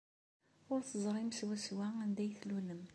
Ur teẓrim swaswa anda ay tlulem.